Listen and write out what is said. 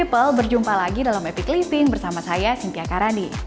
people berjumpa lagi dalam epic living bersama saya cynthia karani